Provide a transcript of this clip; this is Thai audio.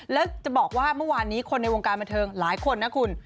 แล้วจะบอกว่าเมื่อวานนี้คนในวงการบันเทิงหลายคนนะคุณ